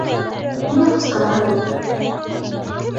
Ниңә ҡысҡыраһығыҙ?